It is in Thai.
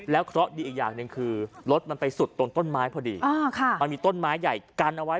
เพราะดีอีกอย่างหนึ่งคือรถมันไปสุดตรงต้นไม้พอดีมันมีต้นไม้ใหญ่กันเอาไว้